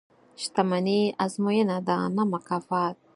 • شتمني ازموینه ده، نه مکافات.